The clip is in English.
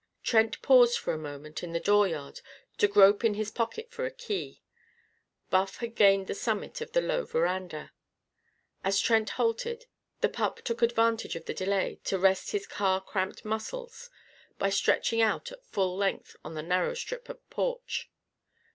Trent paused for a moment in the dooryard, to grope in his pocket for a key. Buff had gained the summit of the low veranda. As Trent halted, the pup took advantage of the delay to rest his car cramped muscles by stretching out at full length on the narrow strip of porch.